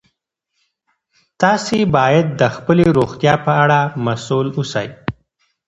تاسي باید د خپلې روغتیا په اړه مسؤل اوسئ.